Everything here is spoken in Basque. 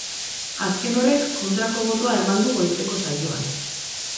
Azken horrek kontrako botoa eman du goizeko saioan.